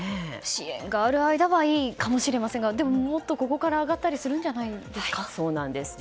支援がある間はいいかもしれませんがでも、もっとここから上がったりするんじゃないですか。